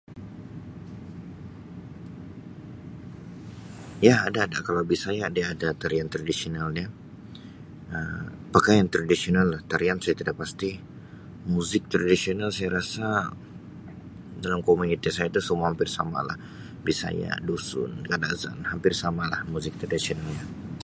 Ya ada-ada. Kalau Bisaya dia ada tarian tradisional dia, Um pakaian tradisional, tarian saya tidak pasti, muzik tradisional saya rasa dalam komuniti saya tu semua hampir sama lah, Bisaya, Dusun, Kadazan hampir samalah muzik tradisionalnya.